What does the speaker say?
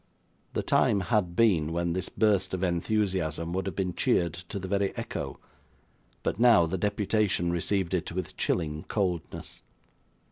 The time had been, when this burst of enthusiasm would have been cheered to the very echo; but now, the deputation received it with chilling coldness.